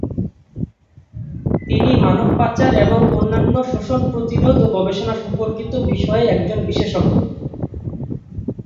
তিনি মানব পাচার এবং অন্যান্য শোষণ প্রতিরোধ ও গবেষণা সম্পর্কিত বিষয়ে একজন বিশেষজ্ঞ।